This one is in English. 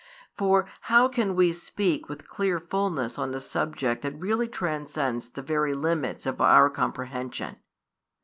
For how can we speak with clear fulness on a subject that really transcends the very limits of our comprehension?